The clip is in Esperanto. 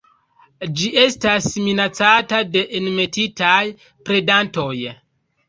Ĝi estas minacata de enmetitaj predantoj.